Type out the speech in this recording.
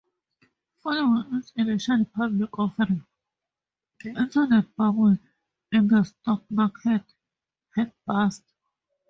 Following its initial public offering, the internet 'bubble' in the stock market had burst.